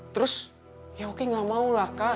terus ya oke gak maulah kak